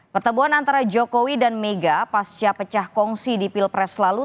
pertemuan antara jokowi dan mega pasca pecah kongsi di pilpres lalu